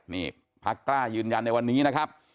นี่พักกล้ายืนยันในวันนี้นะครับ